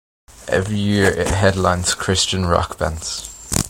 Every year it headlines Christian rock bands.